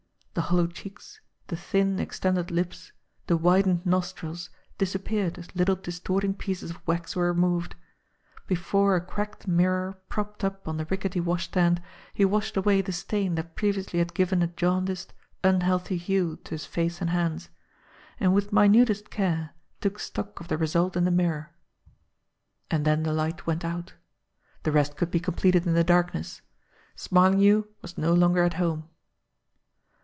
The hollow cheeks, the thin, extended lips, the widened nostrils disappeared as little distorting pieces of wax were removed. Before a cracked mirror propped up on the rickety washstand, he washed away the stain that previously had given a jaundiced, unhealthy hue to his face and hands and with minutest care took stock of the result in the mirror. THREADS 45 And then the light went out. The rest could be completed In the darkness. Smarlinghue was no longer at home.